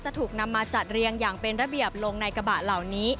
ถูกนำมาจัดเรียงอย่างเป็นระเบียบลงในกระบะเหล่านี้